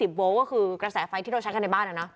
โวลก็คือกระแสไฟที่เราใช้กันในบ้านนะ